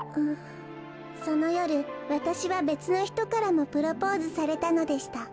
そのよるわたしはべつのひとからもプロポーズされたのでした